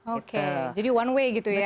oke jadi one way gitu ya